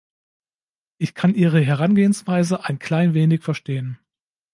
Ich kann Ihre Herangehensweise ein klein wenig verstehen.